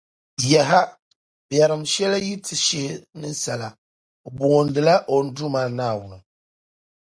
Yaha! Biɛrim shεli yi ti shihi ninsala, o boondila o Duuma Naawuni.